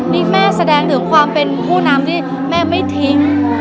นี่แม่แสดงถึงความเป็นผู้นำที่แม่ไม่ทิ้ง